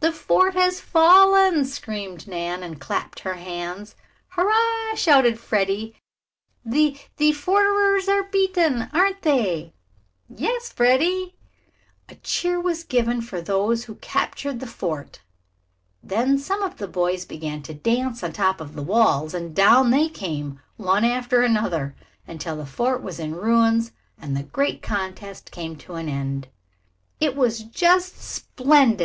"The fort has fallen!" screamed Nan, and clapped her hands. "Hurrah!" shouted Freddie. "The the forters are beaten, aren't they?" "Yes, Freddie." A cheer was given for those who had captured the fort. Then some of the boys began to dance on the top of the walls, and down they came, one after another, until the fort was in ruins, and the great contest came to an end. "It was just splendid!"